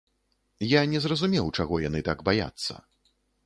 Я не зразумеў, чаго яны так баяцца.